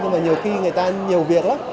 nhưng mà nhiều khi người ta nhiều việc lắm